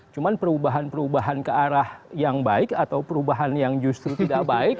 cuma perubahan perubahan ke arah yang baik atau perubahan yang justru tidak baik